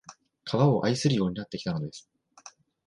川を愛するようになってきたのです